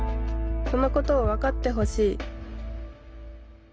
そのことを分かってほしい